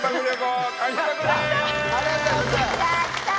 やったー！